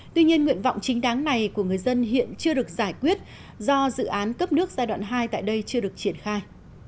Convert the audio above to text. tuy nhiên nguyện vọng chính đáng này của người dân hiện chưa được giải quyết do dự án cấp nước giai đoạn hai tại đây chưa được triển khai